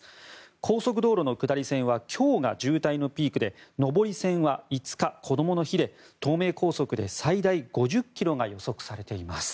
高速道路の下り線は今日が渋滞のピークで上り線は５日、こどもの日で東名高速で最大５０ｋｍが予測されています。